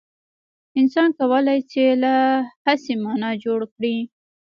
انسان کولای شي له هېڅه مانا جوړ کړي.